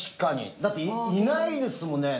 だっていないですもんね。